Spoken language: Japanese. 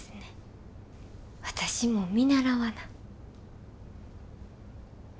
私も見習わな。